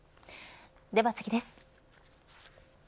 では次です。